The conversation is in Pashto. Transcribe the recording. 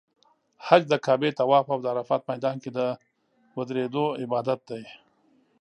حج د کعبې طواف او د عرفات میدان کې د ودریدو عبادت دی.